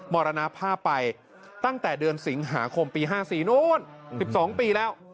มรณภาพไปตั้งแต่เดือนสิงหาคมปี๕๔โน้น๑๒ปีแล้ว